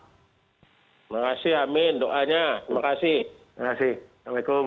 terima kasih amin doanya terima kasih